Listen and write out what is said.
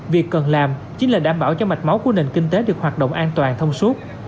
việc cần làm chính là đảm bảo cho mạch máu của nền kinh tế được hoạt động an toàn thông suốt